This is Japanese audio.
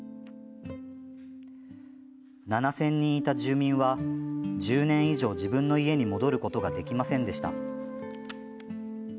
７０００人いた住民は１０年以上自分の家に戻ることができませんでした。